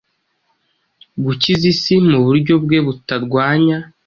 Gukiza isi muburyo bwe butarwanya;